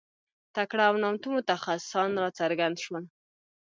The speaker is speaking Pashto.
تکړه او نامتو متخصصان راڅرګند شول.